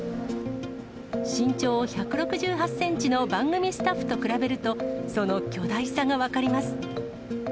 身長１６８センチの番組スタッフと比べると、その巨大さが分かります。